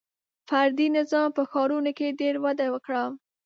• فردي نظام په ښارونو کې ډېر وده وکړه.